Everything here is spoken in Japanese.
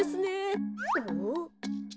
おっ？